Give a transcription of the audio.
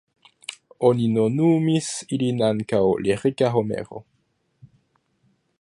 Oni nomumis lin ankaŭ "lirika Homero".